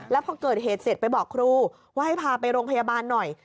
แล้วพอเกิดเหตุเสร็จไปบอกครูว่าให้พาไปโรงพยาบาลหน่อย